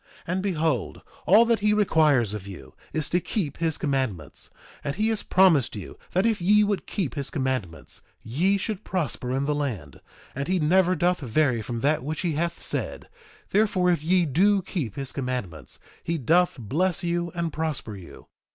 2:22 And behold, all that he requires of you is to keep his commandments; and he has promised you that if ye would keep his commandments ye should prosper in the land; and he never doth vary from that which he hath said; therefore, if ye do keep his commandments he doth bless you and prosper you.